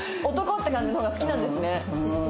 「男！」って感じのほうが好きなんですね。